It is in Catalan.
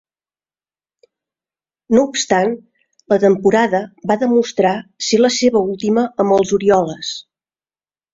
No obstant, la temporada va demostrar ser la seva última amb els Orioles.